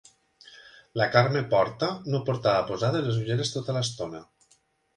La Carme Porta no portava posades les ulleres tota l'estona.